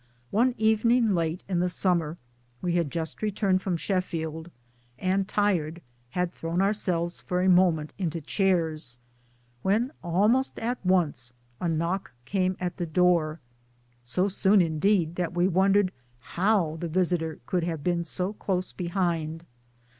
One evening, late in the summer, we had just returned from Sheffield, and tired had thrown ourselves for a moment into chairs, when almost at once a knock came at the door so soon indeed that we wondered how the visitor could ha.ve been so close behind.